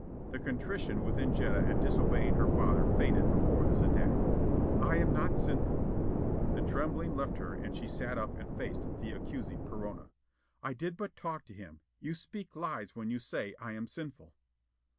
The contrition within Jetta at disobeying her father faded before this attack. "I am not sinful." The trembling left her and she sat up and faced the accusing Perona. "I did but talk to him. You speak lies when you say I am sinful."